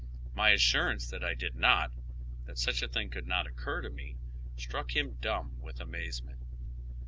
My assurance that I did not, that Buch a thing could not occur to me, struck liim dumb with amazement.